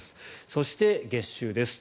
そして、月収です。